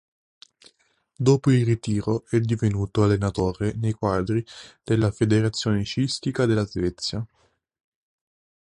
Dopo il ritiro è divenuto allenatore nei quadri della Federazione sciistica della Svezia.